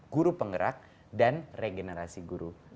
guru penggerak dan regenerasi guru